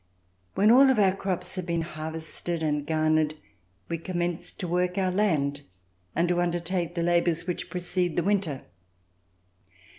When all of our crops had been harvested and garnered, we com menced to work our land and to undertake the labors which precede the winter.